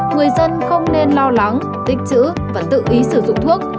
người dân không nên lo lắng tích chữ và tự ý sử dụng thuốc